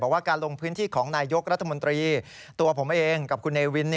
ว่าการลงพื้นที่ของนายยกรัฐมนตรีตัวผมเองกับคุณเนวิน